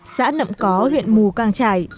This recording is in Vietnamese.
xã nậm có huyện mù cang trải